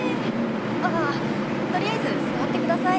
あっとりあえず座ってください。